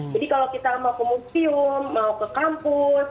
jadi kalau kita mau ke museum mau ke kampus